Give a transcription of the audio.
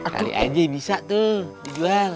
kali aja bisa tuh dijual